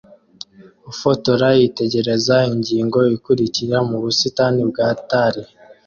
Ufotora yitegereza ingingo ikurikira mubusitani bwa tale